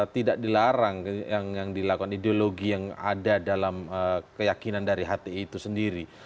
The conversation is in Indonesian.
tidak dilarang yang dilakukan ideologi yang ada dalam keyakinan dari hti itu sendiri